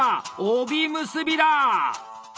帯結びだ！